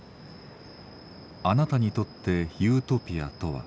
「あなたにとってユートピアとは。